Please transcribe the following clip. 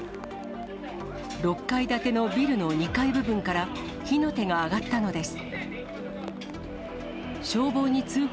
６階建てのビルの２階部分から火の手が上がったのです。